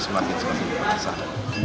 banyak lokalimu penyanyi jazz